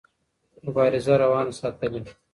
مبارزه روانه ساتلې.